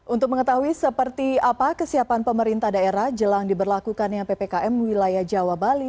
untuk mengetahui seperti apa kesiapan pemerintah daerah jelang diberlakukannya ppkm wilayah jawa bali